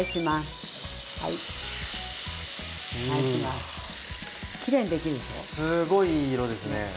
すごいいい色ですね。